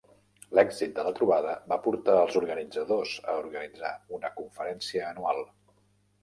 L'èxit de la trobada va portar als organitzadors a organitzar una conferència anual.